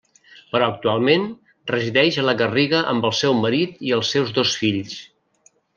Però actualment, resideix a la Garriga amb el seu marit i els seus dos fills.